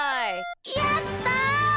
やった！